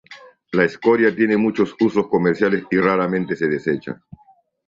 La escoria tiene muchos usos comerciales y raramente se desecha.